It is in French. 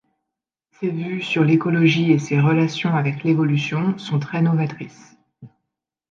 Ses vues sur l’écologie et ses relations avec l’évolution sont très novatrices.